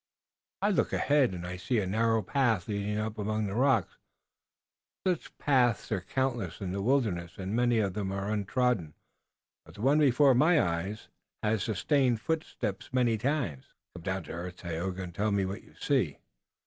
"I look ahead, and I see a narrow path leading up among the rocks. Such paths are countless in the wilderness, and many of them are untrodden, but the one before my eyes has sustained footsteps many times." "Come down to earth, Tayoga, and tell me what you see."